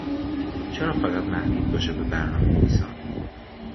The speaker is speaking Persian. چرا فقط محدود باشه به برنامهنویسان